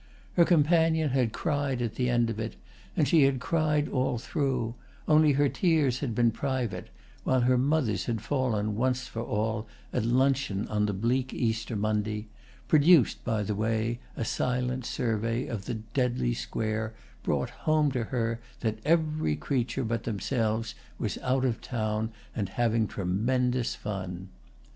Her companion had cried at the end of it, and she had cried all through; only her tears had been private, while her mother's had fallen once for all, at luncheon on the bleak Easter Monday—produced by the way a silent survey of the deadly square brought home to her that every creature but themselves was out of town and having tremendous fun.